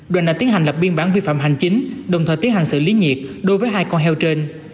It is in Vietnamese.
đoàn đã tiến hành lập biên bản vi phạm hành chính đồng thời tiến hành xử lý nhiệt đối với hai con heo trên